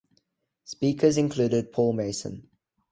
Speakers included Paul Mason.